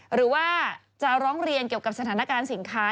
หรือว่าจะร้องเรียนเกี่ยวกับสถานการณ์สินค้า